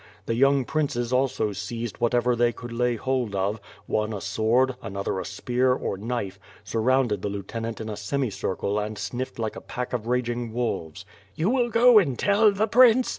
The young princes also seized whatever they could lay hold of, one a aword, another a spear, or knife, surrounded the lieu tenant in a ficmicircle and sniffed like a pack of raging wolves. "You will go and tell the prince?"